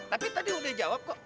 tapi tadi udah jawab kok